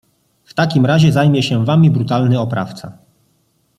W takim razie zajmie się wami brutalny oprawca.